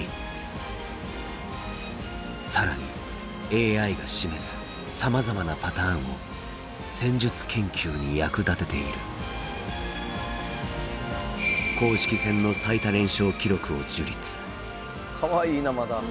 更にＡＩが示すさまざまなパターンを戦術研究に役立てている公式戦の最多連勝記録を樹立かわいいなまだ。